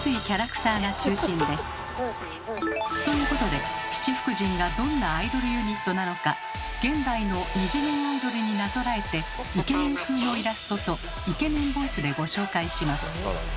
ブーさんやブーさん。ということで七福神がどんなアイドルユニットなのか現代の２次元アイドルになぞらえてイケメン風のイラストとイケメンボイスでご紹介します。